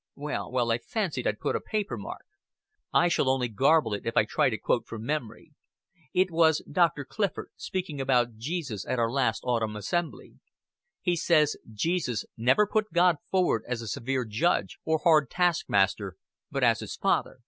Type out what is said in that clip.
Well, well, I fancied I'd put a paper mark. I shall only garble it if I try to quote from memory. It was Doctor Clifford, speaking about Jesus at our last Autumn Assembly. He says Jesus never put God forward as a severe judge, or hard taskmaster, but as His Father....